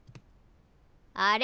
あれ？